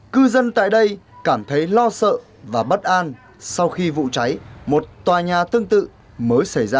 cư dân tại đây cảm thấy lo sợ và bất an sau khi vụ cháy một tòa nhà tương tự mới xảy ra